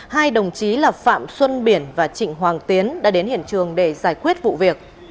hai đồng chí là phạm xuân biển và trịnh hoàng tiến đã đến hiện trường để giải quyết vụ việc